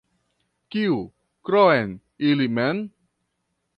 Kiu, krom ili mem?